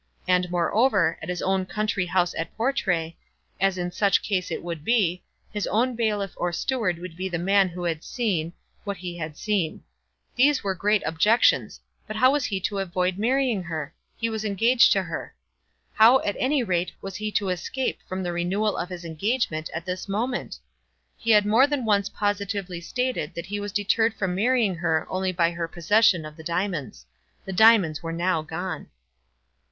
And, moreover, at his own country house at Portray, as in such case it would be, his own bailiff or steward would be the man who had seen what he had seen. These were great objections; but how was he to avoid marrying her? He was engaged to her. How, at any rate, was he to escape from the renewal of his engagement at this moment? He had more than once positively stated that he was deterred from marrying her only by her possession of the diamonds. The diamonds were now gone.